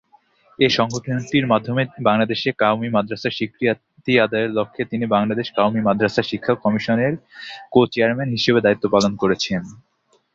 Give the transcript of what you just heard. এ সংগঠনটির মাধ্যমে বাংলাদেশে কওমি মাদ্রাসার স্বীকৃতি আদায়ের লক্ষ্যে তিনি বাংলাদেশ কওমি মাদ্রাসা শিক্ষা কমিশনের কো-চেয়ারম্যান হিসেবে দায়িত্ব পালন করেছেন।